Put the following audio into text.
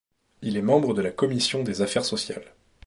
Il est membre de la commission des Affaires sociales.